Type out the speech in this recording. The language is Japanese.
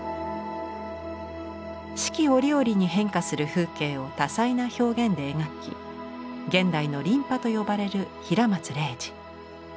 四季折々に変化する風景を多彩な表現で描き「現代の琳派」と呼ばれる平松礼二。